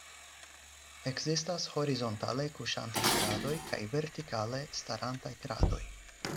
Ekzistas horizontale kuŝantaj kradoj kaj vertikale starantaj kradoj.